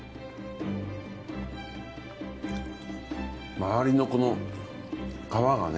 周りのこの皮がね。